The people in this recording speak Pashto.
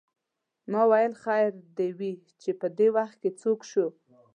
ما ویل خیر وې چې پدې وخت څوک شو.